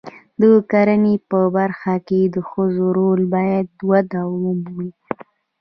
د کرنې په برخه کې د ښځو رول باید وده ومومي.